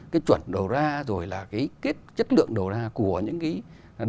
cái chuẩn đầu ra rồi là cái chất lượng đầu ra của những cái